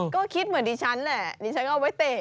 ก็คิดเหมือนดิฉันแหละดิฉันเอาไว้เตะ